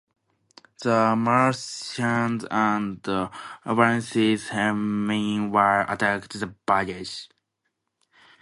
The Murcians and Valencians meanwhile attacked the baggage.